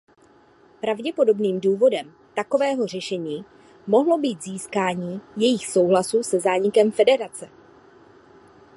Pravděpodobným důvodem takového řešení mohlo být získání jejich souhlasu se zánikem federace.